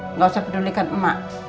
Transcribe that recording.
enggak usah pedulikan emak